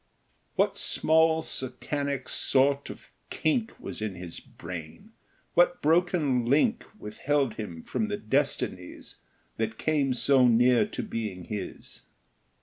What small satanic sort of kink Was in his brain? What broken link Withheld him from the destinies That came so near to being his?